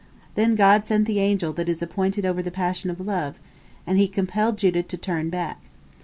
Then God sent the angel that is appointed over the passion of love, and he compelled Judah to turn back.